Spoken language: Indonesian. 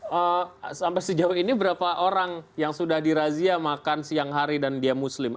hmm sampai sejauh ini berapa orang yang sudah dirazia makan siang hari dan dia muslim